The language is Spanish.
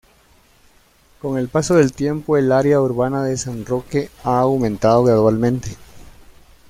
Con el paso del tiempo, el área urbana de San Roque ha aumentado gradualmente.